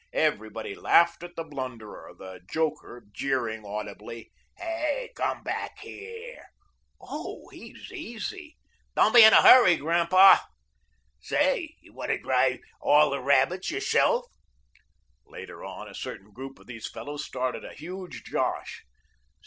Everybody laughed at the blunderer, the joker jeering audibly. "Hey, come back here." "Oh, he's easy." "Don't be in a hurry, Grandpa." "Say, you want to drive all the rabbits yourself." Later on, a certain group of these fellows started a huge "josh."